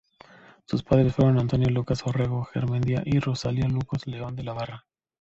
Sus padres fueron Antonio Lucas Orrego Garmendia y Rosalía Luco León de la Barra.